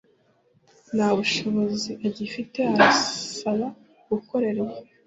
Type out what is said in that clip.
Nta bushobozi agifite arasaba gukorerwa